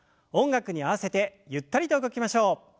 音楽に合わせてゆったりと動きましょう。